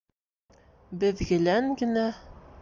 — Беҙ гелән генә...